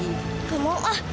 gak mau ma